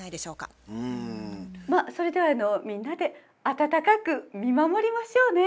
まあそれではみんなで温かく見守りましょうね。